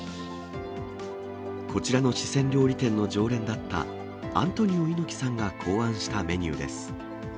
こちらの四川料理店の常連だった、アントニオ猪木さんが考案したメニューです。